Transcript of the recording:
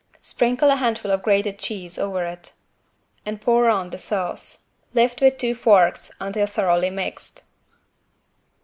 Sprinkle a handful of grated cheese over it and pour on the sauce. Lift with two forks until thoroughly mixed.